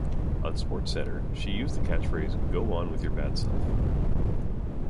On "SportsCenter", she used the catchphrase, "Go on with your bad self!